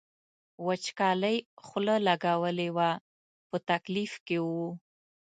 وچکالۍ خوله لګولې وه په تکلیف کې و.